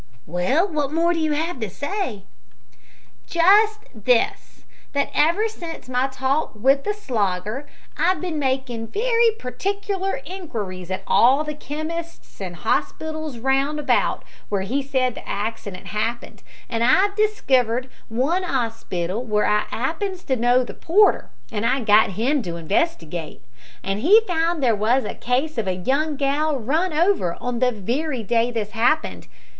"Well, what more have you to say?" "Just this, that ever since my talk wi' the Slogger I've bin making wery partikler inquiries at all the chemists and hospitals round about where he said the accident happened, an' I've diskivered one hospital where I 'appens to know the porter, an' I got him to inwestigate, an' he found there was a case of a young gal run over on the wery day this happened.